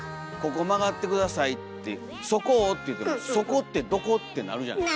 ここ曲がって下さいっていう「そこを」って言うても「そこってどこ？」ってなるじゃない。